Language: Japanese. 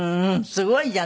すごいじゃない！